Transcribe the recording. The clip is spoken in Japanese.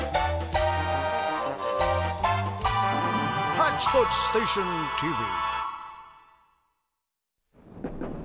「ハッチポッチステーションＴＶ」。